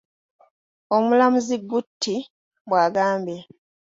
Omulamuzi Gutti bw’agambye.